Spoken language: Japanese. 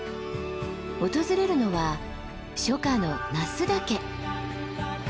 訪れるのは初夏の那須岳。